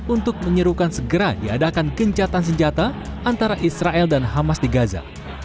untuk menyerukan segera diadakan gencatan senjata antara israel dan hamas di gaza